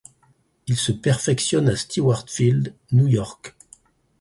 Il se perfectionne à Stewart Field, New York.